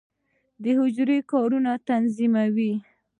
د حجره د کارونو تنظیموي.